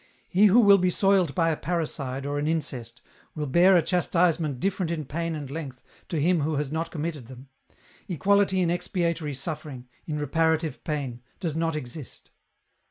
He who will be soiled by a parricide or an incest will bear a chastisement different in pain and length to him who has not committed them ; equality in expiatory suffering, in reparative pain, does not exist.